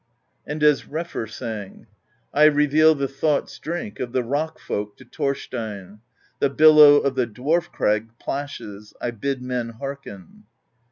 And as Refr sang: I reveal the Thought's Drink Of the Rock Folk to Thorsteinn; The Billow of the Dwarf Crag Plashes; I bid men hearken.